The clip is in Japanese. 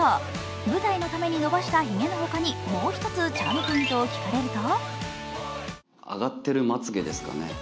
舞台のために伸ばしたひげの他にもう１つチャームポイントを聞かれると？